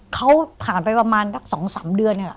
เขาผ่านไปประมาณสัก๒๓เดือนนี่แหละ